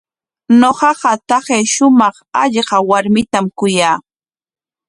Ñuqaqa taqay shumaq hallqa warmitam kuyaa.